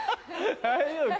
大丈夫か？